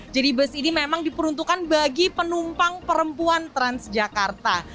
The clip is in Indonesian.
jadi bus ini memang diperuntukkan bagi penumpang perempuan transjakarta